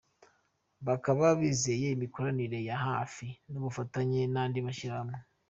bakaba bizeye imikoranire ya hafi n’ubufatanye n’andi mashyirahamwe.